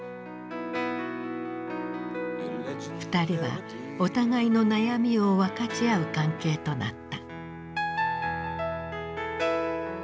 二人はお互いの悩みを分かち合う関係となった。